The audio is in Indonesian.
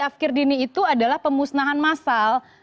afkir dini itu adalah pemusnahan masal